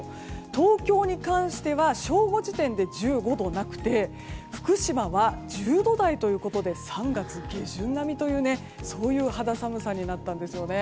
東京に関しては正午時点で１５度なくて福島は１０度台ということで３月下旬並みというそういう肌寒さになったんです。